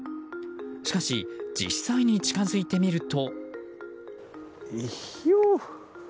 しかし、実際に近づいてみると。